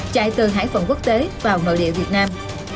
chạy từ hải phòng quốc tế vào nội địa việt nam